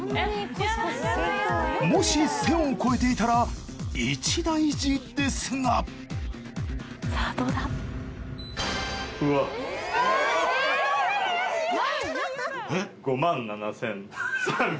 もし１０００を超えていたら一大事ですがやだやだ！